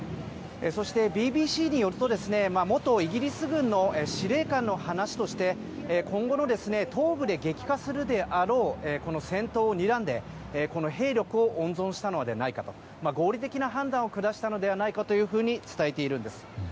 そして、ＢＢＣによると元イギリス軍の司令官の話として今後の東部で激化するであろう戦闘をにらんで兵力を温存したのではないかと合理的な判断を下したのではないかと伝えているんです。